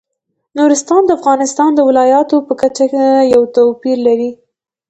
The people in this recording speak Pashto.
نورستان د افغانستان د ولایاتو په کچه یو توپیر لري.